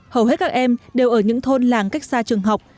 hầu hết các em đều ở những thôn làng cách xa trường học